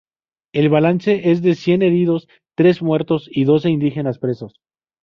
El balance es de cien heridos, tres muertos y doce indígenas presos.